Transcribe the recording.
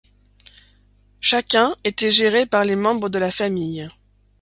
Chacun était géré par les membres de la famille.